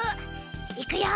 いくよ。